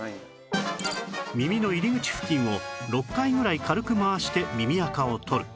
耳の入り口付近を６回ぐらい軽く回して耳垢を取る